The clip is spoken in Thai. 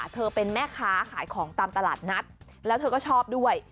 เธอเป็นแม่ค้าขายของตามตลาดนัดแล้วเธอก็ชอบด้วย